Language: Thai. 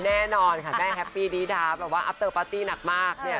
แน่นอนค่ะแม่แฮปปี้ดีดาแบบว่าอัพเตอร์ปาร์ตี้หนักมากเนี่ย